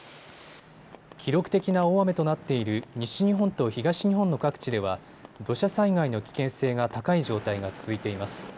記録的な大雨となっている西日本と東日本の各地では土砂災害の危険性が高い状態が続いています。